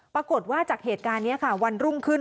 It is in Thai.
ปรากฏว่าจากเหตุการณ์นี้ค่ะวันรุ่งขึ้น